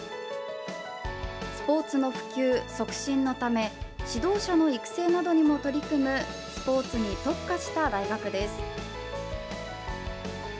スポーツの普及・促進のため指導者の育成などにも取り組むスポーツに特化した大学です。